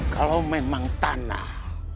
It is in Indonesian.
kalau memang tanah